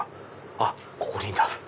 あっここにいた！